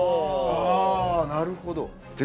あなるほど。